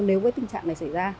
nếu với tình trạng này xảy ra